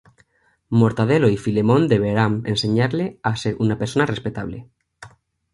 Mortadelo y Filemón deberán enseñarle a ser una persona respetable.